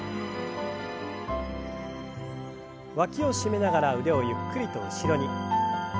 わきを締めながら腕をゆっくりと後ろに。